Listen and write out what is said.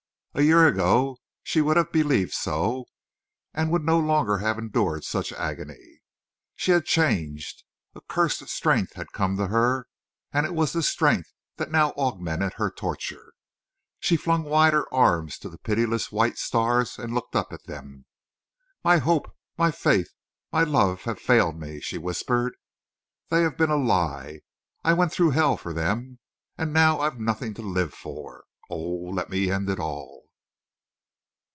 A year ago she would have believed so, and would no longer have endured such agony. She had changed. A cursed strength had come to her, and it was this strength that now augmented her torture. She flung wide her arms to the pitiless white stars and looked up at them. "My hope, my faith, my love have failed me," she whispered. "They have been a lie. I went through hell for them. And now I've nothing to live for.... Oh, let me end it all!"